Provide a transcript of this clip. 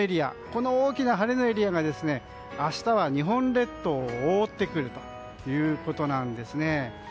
この大きな晴れのエリアが明日は日本列島を覆ってくるということなんですね。